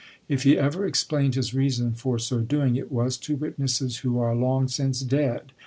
If he ever explained his reason for so doing, it was to witnesses who are long since dead.